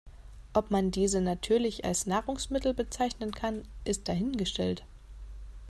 Ob man diese natürlich als Nahrungsmittel bezeichnen kann, ist dahingestellt.